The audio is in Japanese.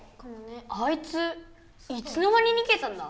あいついつの間ににげたんだ？